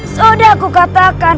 sudah aku katakan